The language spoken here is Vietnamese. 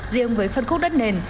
riêng với phân khúc đất nền